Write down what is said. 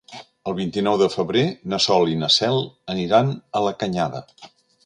El vint-i-nou de febrer na Sol i na Cel aniran a la Canyada.